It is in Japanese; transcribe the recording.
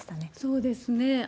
そうですね。